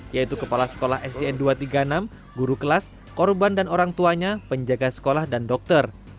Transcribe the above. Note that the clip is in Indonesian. yaitu kepala sekolah sdn dua ratus tiga puluh enam guru kelas korban dan orang tuanya penjaga sekolah dan dokter